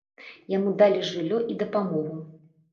Яму далі жыллё і дапамогу.